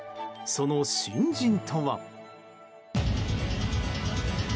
その新人とは。